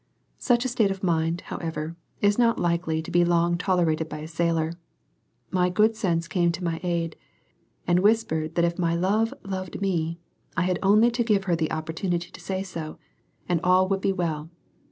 Such a state of mind, however, is not likely to be long tolerated by a sailor; my good sense came to my aid, and whispered that if my love loved me, I had only to give her the opportunity to say so, and all would be well.